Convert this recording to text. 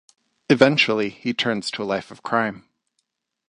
Eventually, he turns to a life of crime.